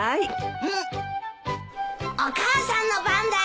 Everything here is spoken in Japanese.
お母さんの番だよ。